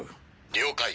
了解。